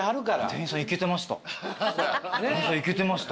店員さんいけてました。